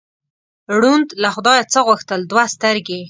ړوند له خدایه څه غوښتل؟ دوه سترګې.